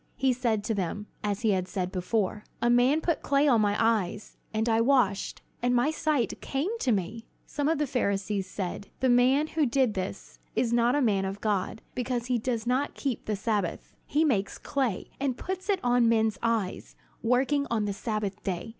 He said to them, as he had said before: "A man put clay on my eyes, and I washed, and my sight came to me." Some of the Pharisees said: "The man who did this is not a man of God, because he does not keep the Sabbath. He makes clay, and puts it on men's eyes, working on the Sabbath day.